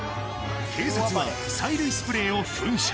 警察は催涙スプレーを噴射